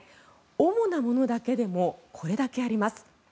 主なものだけでもこれだけあります。